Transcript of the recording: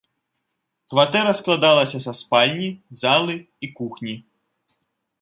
Кватэра складалася са спальні, залы і кухні.